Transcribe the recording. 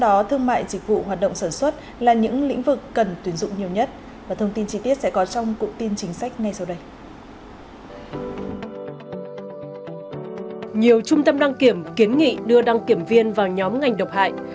nhiều trung tâm đăng kiểm kiến nghị đưa đăng kiểm viên vào nhóm ngành độc hại